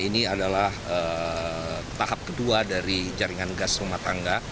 ini adalah tahap kedua dari jaringan gas rumah tangga